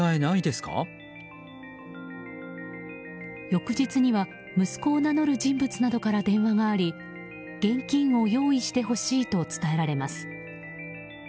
翌日には息子を名乗る人物などから電話があり現金を用意してほしいと伝えられます。